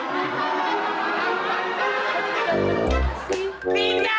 aduh udah berubah wujud juga nih